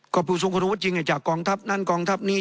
ก็พูดส้งความรู้จริงจากกองทัพนั่นกองทัพนี้